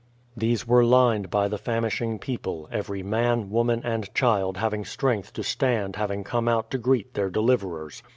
These were lined by the famishing people, every man, woman, and child having strength to stand having come out to greet their deliverers.